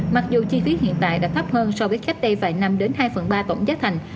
mặc dù chi phí hiện tại đã thấp hơn so với cách đây vài năm hai phần ba tổng giá thành